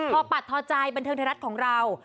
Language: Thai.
พอปัดทอดใจบรรเทิงธรรมดิ์ของเรา